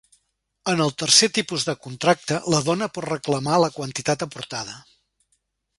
En el tercer tipus de contracte la dona pot reclamar la quantitat aportada.